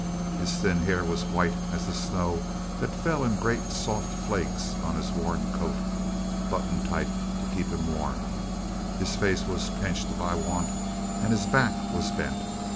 His thin hair was white as the snow that fell in great soft flakes on his worn coat, buttoned tight to keep him warm; his face was pinched by want and his back was bent.